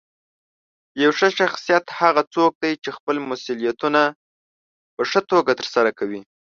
یو ښه شخصیت هغه څوک دی چې خپل مسؤلیتونه په ښه توګه ترسره کوي.